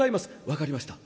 分かりました。